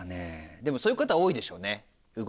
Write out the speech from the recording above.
でもそういう方多いでしょうね。